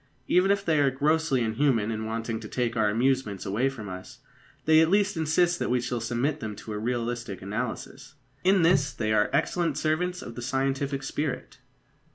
Even if they are grossly inhuman in wanting to take our amusements away from us, they at least insist that we shall submit them to a realistic analysis. In this they are excellent servants of the scientific spirit.